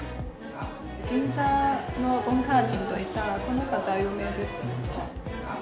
銀座の文化人といったらこの方、有名です。